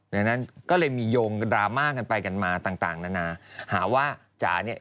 ดังนั้นก็เลยมีโยงดราม่ากันไปกันมาต่างนานาหาว่าจ๋าเนี่ย